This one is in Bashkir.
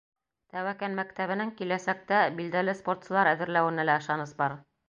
Тәүәкән мәктәбенең киләсәктә билдәле спортсылар әҙерләүенә лә ышаныс бар.